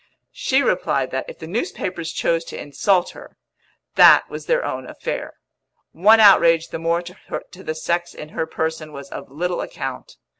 She replied that, if the newspapers chose to insult her, that was their own affair; one outrage the more to the sex in her person was of little account.